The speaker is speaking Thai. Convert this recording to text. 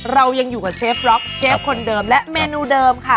เรายังอยู่กับเชฟร็อกเชฟคนเดิมและเมนูเดิมค่ะ